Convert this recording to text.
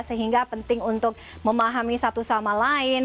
sehingga penting untuk memahami satu sama lain